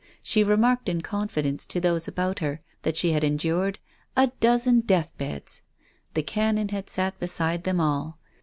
She remarked in con fidence to those about her, that she had endured " a dozen deathbeds." The Canon had sat be side them all.